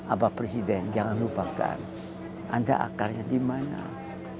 bapak presiden jangan lupakan anda akarnya di mana